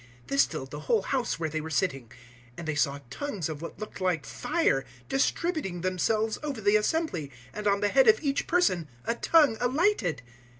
This filled the whole house where they were sitting; 002:003 and they saw tongues of what looked like fire distributing themselves over the assembly, and on the head of each person a tongue alighted.